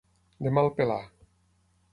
De mal pelar.